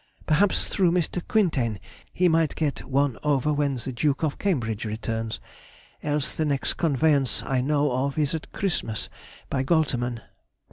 Perhaps through Mr. Quintain he might get one over when the Duke of Cambridge returns, else the next conveyance I know of is at Christmas, by Goltermann.